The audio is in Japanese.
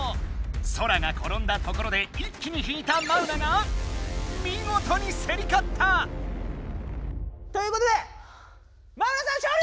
ソラがころんだところで一気に引いたマウナが見ごとにせり勝った！ということでマウナさん勝利！